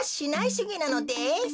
しゅぎなのです。